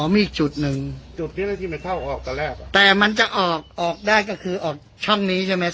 มีอีกจุดหนึ่งจุดที่เจ้าหน้าที่ไปเข้าออกตอนแรกแต่มันจะออกออกได้ก็คือออกช่องนี้ใช่ไหม